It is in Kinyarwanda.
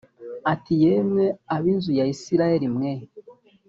ati yemwe ab inzu ya isirayeli mwe